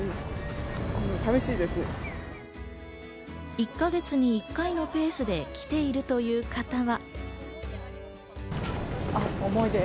１か月に１回のペースで来ているという方は。